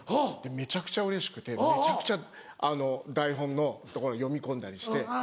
めちゃくちゃうれしくてめちゃくちゃ台本のとこ読み込んだりして。